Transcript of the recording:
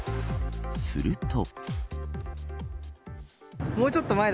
すると。